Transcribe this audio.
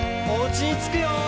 「おうちにつくよ」